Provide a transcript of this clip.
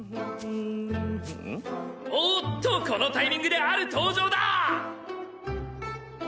おっとこのタイミングでアル登場だ！